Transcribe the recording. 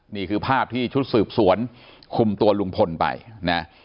นี่คือภาพที่ชุดสืบสวนคุมตัวลุงพลไปนะ